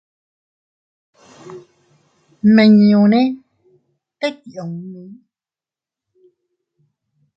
Nmiñune tet yunni.